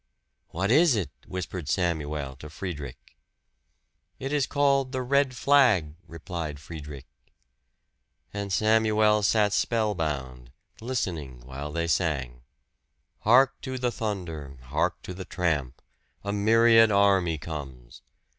"What is it?" whispered Samuel to Friedrich. "It is called 'The Red Flag,'" replied Friedrich. And Samuel sat spellbound, listening while they sang: Hark to the thunder, hark to the tramp a myriad army comes!